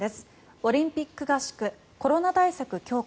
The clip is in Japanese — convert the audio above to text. オリンピック合宿コロナ対策強化。